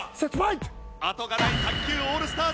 後がない卓球オールスターズ。